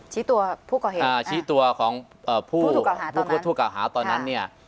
ตัวผู้ก่อเหตุชี้ตัวของผู้เก่าหาตอนนั้นเนี่ย